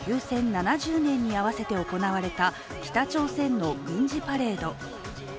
７０年に合わせて行われた北朝鮮の軍事パレード。